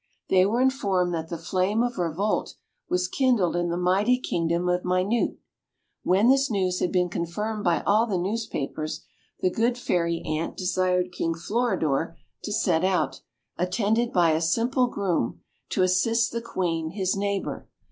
They were informed that the flame of revolt was kindled in the mighty kingdom of Minute. When this news had been confirmed by all the newspapers, the good fairy Ant desired King Floridor to set out, attended by a simple groom, to assist the Queen, his neighbour.